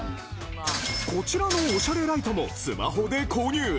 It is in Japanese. こちらのオシャレライトもスマホで購入！